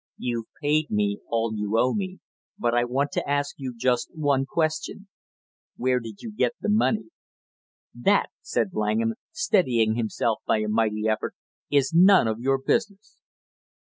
"You've paid me all you owe me, but I want to ask you just one question. Where did you get the money?" "That," said Langham, steadying himself by a mighty effort, "is none of your business!"